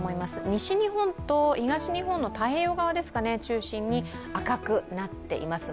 西日本と東日本の太平洋側中心に赤くなっています。